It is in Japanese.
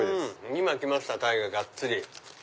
今きましたタイががっつり。